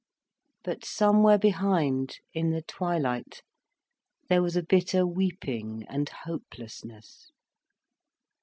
But somewhere behind, in the twilight, there was a bitter weeping and a hopelessness.